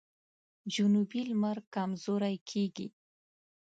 جنوبي لمر کمزوری کیږي.